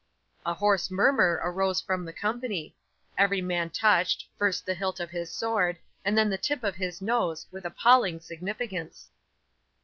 'A hoarse murmur arose from the company; every man touched, first the hilt of his sword, and then the tip of his nose, with appalling significance.